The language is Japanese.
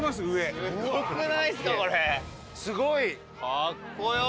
かっこよ！